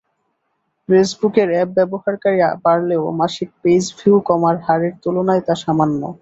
ফেসবুকের অ্যাপ ব্যবহারকারী বাড়লেও মাসিক পেজভিউ কমার হারের তুলনায় তা সামান্য।